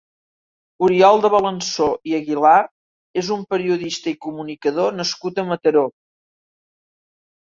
Oriol de Balanzó i Aguilar és un periodista i comunicador nascut a Mataró.